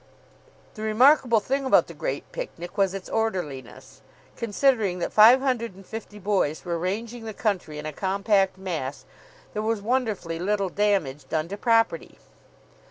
The remarkable thing about the Great Picnic was its orderliness. Considering that five hundred and fifty boys were ranging the country in a compact mass, there was wonderfully little damage done to property.